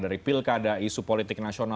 pemerintah yang berada di depan